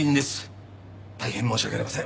大変申し訳ありません。